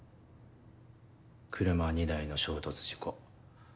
車２台の衝突事故。